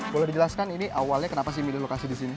boleh dijelaskan ini awalnya kenapa sih milih lokasi di sini